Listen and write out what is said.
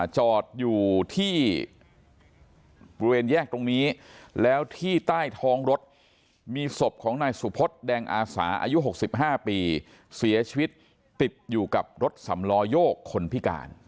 จอดอยู่ที่บริเวณแยกตรงนี้แล้วที่ใต้ท้องรถมีศพของนายสุพศแดงอาสาอายุ๖๕ปีเสียชีวิตติดอยู่กับรถสำลอยกคนพิการ